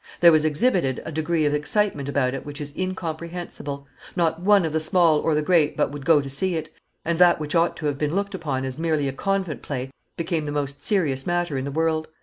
There was exhibited a degree of excitement about it which is incomprehensible; not one of the small or the great but would go to see it, and that which ought to have been looked upon as merely a convent play became the most serious matter in the world.